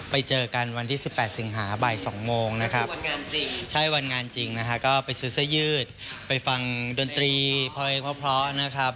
ไปเจอกันวันที่๑๘สิงหาบ่าย๒โมงนะครับใช่วันงานจริงนะฮะก็ไปซื้อเสื้อยืดไปฟังดนตรีพลอยเพราะนะครับ